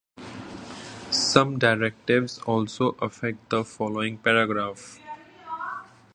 Some directives also affect the following paragraphs.